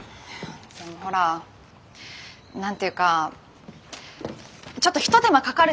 でもほら何て言うかちょっとひと手間かかるじゃん？